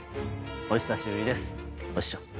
お久しぶりですお師匠。